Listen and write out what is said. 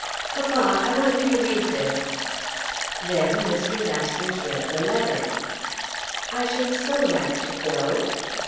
"Papa, I want you to read this." Then Mr. Masters read the letter. "I should so like to go."